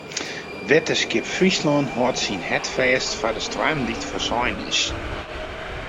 Wetterskip Fryslân hâldt syn hart fêst foar de stoarm dy't foarsein is.